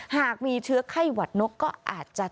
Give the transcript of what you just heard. หากมีเชื้อไข้หวัดนกก็อาจจะ